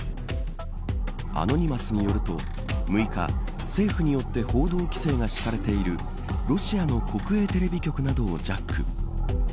アノニマスによると６日、政府によって報道規制が敷かれているロシアの国営テレビ局などをジャック。